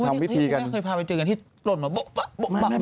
อันนั้นคุณแม่เคยพาไปเจอกันที่หล่นมาบุ๊บบุ๊บบุ๊บ